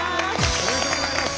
おめでとうございます。